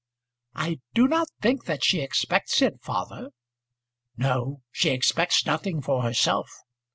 "I do not think that she expects it, father." "No; she expects nothing for herself.